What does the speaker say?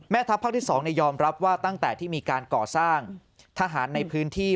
ทัพภาคที่๒ยอมรับว่าตั้งแต่ที่มีการก่อสร้างทหารในพื้นที่